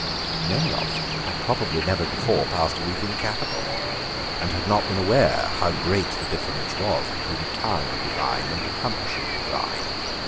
Many of them had probably never before passed a week in the capital, and had not been aware how great the difference was between a town divine and a country divine.